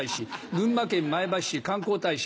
群馬県前橋市観光大使